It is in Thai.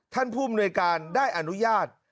ท่านผู้มนวยการได้อนุญาต